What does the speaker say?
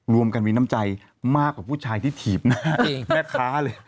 รวมกันมีน้ำใจมากกว่าผู้ชายที่ถีบหน้าแม่ค้าเลย